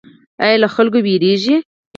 ایا له خلکو ویریږئ؟